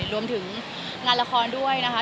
รวมถึงงานละครด้วยนะคะ